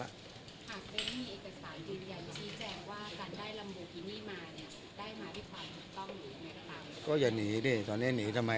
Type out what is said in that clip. หาก้องมีอิกษารยึงอย่างนั้นชี้แจงว่าการได้ลำบูกินี่มาเนี่ย